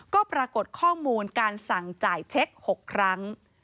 ก็ปรากฏข้อมูลการสั่งจ่ายเช็ค๖ครั้ง